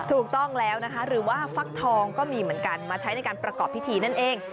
ถูกต้องแล้วนะคะหรือว่าฟักทองก็มีเหมือนกันมาใช้ในการประกอบพิธีนั่นเอง